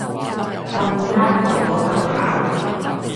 咁啱撞到咁巧